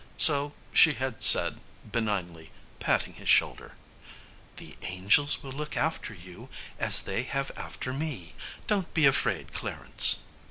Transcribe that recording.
So she had said benignly, patting his shoulder: "The angels will look after you, as they have after me. Don't be afraid, Clarence."